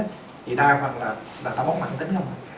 thì đa phần là táo bón mạnh tính không á